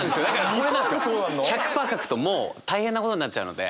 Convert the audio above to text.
２％でそうなんの？１００％書くともう大変なことになっちゃうので。